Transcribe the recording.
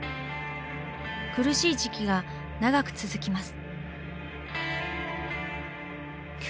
苦しい時期が長く続きます。